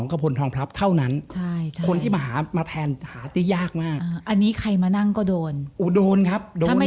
กลัวผีครับ